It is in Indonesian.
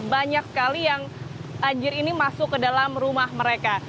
banyak sekali yang banjir ini masuk ke dalam rumah mereka